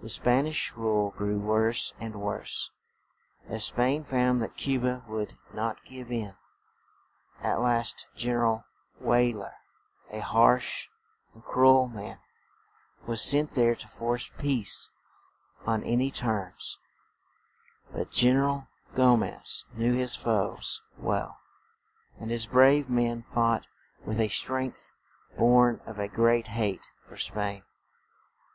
The Span ish rule grew worse and worse, as Spain found that Cu ba would not give in. At last Gen er al Wey ler, a harsh and cru el man, was sent there to force peace on an y terms; but Gen er al Go mez knew his foes well, and his brave men fought with a strength born of a great hate for Spain.